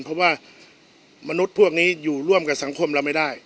เพราะว่ามนุษย์พวกนี้อยู่ร่วมกับสังคมเราไม่ได้